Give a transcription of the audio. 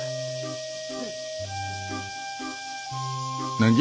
何じゃ？